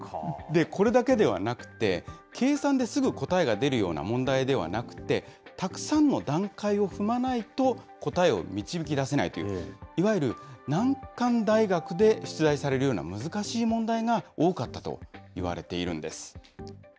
これだけではなくて、計算ですぐ答えが出るような問題ではなくて、たくさんの段階を踏まないと答えを導きだせないという、いわゆる難関大学で出題されるような難しい問題が多かったといわれているんです。